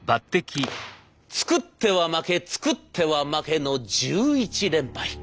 作っては負け作っては負けの１１連敗。